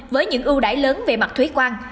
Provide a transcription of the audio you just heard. với những ưu đải lớn về mặt thuế quan